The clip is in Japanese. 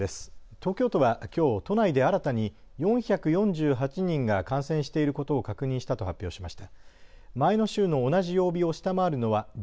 東京都はきょう都内で新たに４４８人が感染していることを確認したと発表しました。